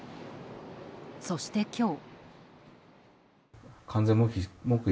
そして今日。